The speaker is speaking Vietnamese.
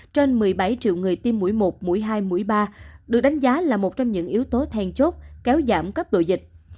trên một mươi bảy triệu người tiêm mũi một mũi hai mũi ba được đánh giá là một trong những yếu tố then chốt kéo giảm cấp độ dịch